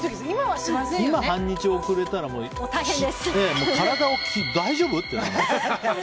今半日遅れたら体、大丈夫？ってなる。